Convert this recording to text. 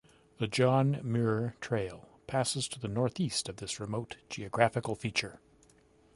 The John Muir Trail passes to the northeast of this remote geographical feature.